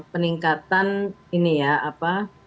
peningkatan ini ya apa